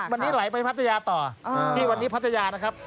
วันนี้ไหลไปพัทยาต่อที่วันนี้พัทยานะครับ